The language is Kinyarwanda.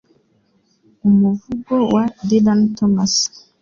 Umuvugo wa Dylan Thomas